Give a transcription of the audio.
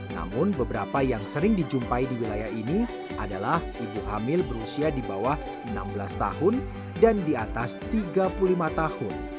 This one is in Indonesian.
namun beberapa yang sering dijumpai di wilayah ini adalah ibu hamil berusia di bawah enam belas tahun dan di atas tiga puluh lima tahun